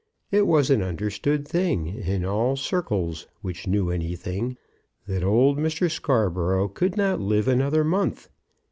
It was an understood thing, in all circles which knew anything, that old Mr. Scarborough could not live another month.